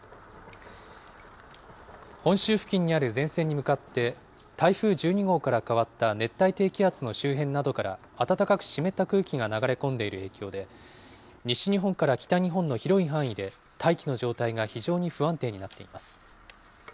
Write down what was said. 本州付近にある前線に向かって、台風１２号から変わった熱帯低気圧の周辺などから暖かく湿った空気が流れ込んでいる影響で、西日本から北日本の広い範囲で、大気の状態が非常に不安定になっています。